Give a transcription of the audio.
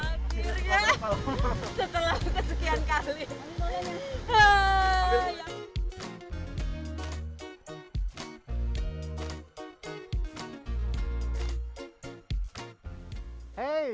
akhirnya setelah kesekian kali